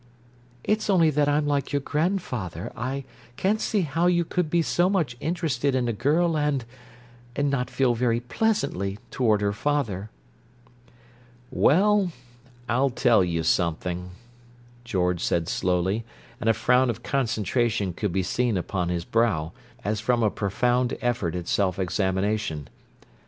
"It's only that I'm like your grandfather: I can't see how you could be so much interested in a girl and—and not feel very pleasantly toward her father." "Well, I'll tell you something," George said slowly; and a frown of concentration could be seen upon his brow, as from a profound effort at self examination.